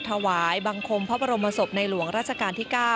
ถวายบังคมพระบรมศพในหลวงราชการที่๙